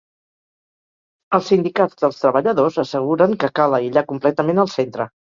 Els sindicats dels treballadors asseguren que cal aïllar completament el centre.